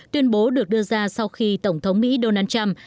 tuyên bố được đưa ra sau khi tổng thống mỹ donald trump